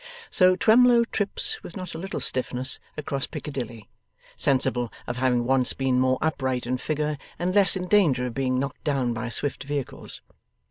So, Twemlow trips with not a little stiffness across Piccadilly, sensible of having once been more upright in figure and less in danger of being knocked down by swift vehicles.